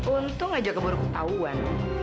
untung aja kamu berketahuan